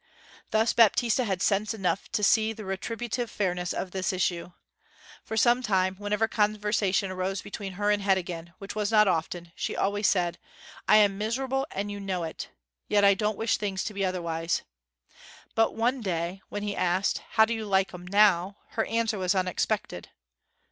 Thus Baptista had sense enough to see the retributive fairness of this issue. For some time, whenever conversation arose between her and Heddegan, which was not often, she always said, 'I am miserable, and you know it. Yet I don't wish things to be otherwise.' But one day when he asked, 'How do you like 'em now?' her answer was unexpected.